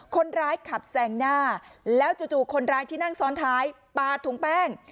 คนร้ายขับแซงหน้าแล้วจู่คนร้ายที่นั่งซ้อนท้ายปลาถุงแป้ง